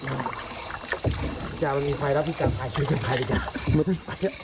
พี่จ๋ามันมีไฟแล้วพี่จ๋าช่วยจะไปดีกัน